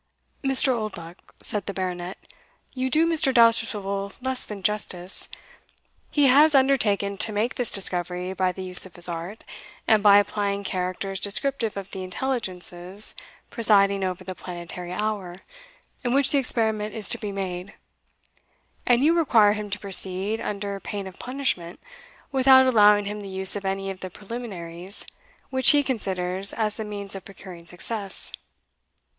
"Mr. Oldbuck," said the Baronet, "you do Mr. Dousterswivel less than justice. He has undertaken to make this discovery by the use of his art, and by applying characters descriptive of the Intelligences presiding over the planetary hour in which the experiment is to be made; and you require him to proceed, under pain of punishment, without allowing him the use of any of the preliminaries which he considers as the means of procuring success."